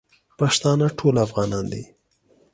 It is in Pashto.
پښتانه ټول افغانان دی